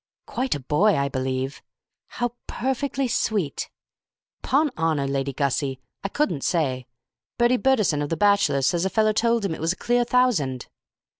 "Quite a boy, I believe!" "How perfectly sweet!" "'Pon honour, Lady Gussie, I couldn't say. Bertie Bertison, of the Bachelors', says a feller told him it was a clear thousand."